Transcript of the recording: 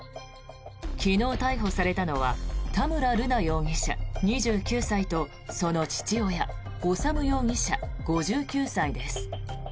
昨日逮捕されたのは田村瑠奈容疑者、２９歳とその父親修容疑者、５９歳です。